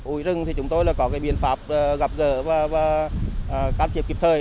ủi rừng thì chúng tôi là có biện pháp gặp dở và can thiệp kịp thời